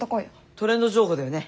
トレンド情報だよね。